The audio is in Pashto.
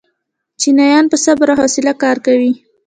چینایان په صبر او حوصله کار کوي.